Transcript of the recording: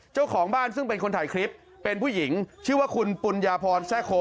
เจ้าของบ้านซึ่งเป็นคนถ่ายคลิปเป็นผู้หญิงชื่อว่าคุณปุญญาพรแซ่โค